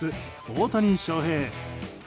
＊大谷翔平。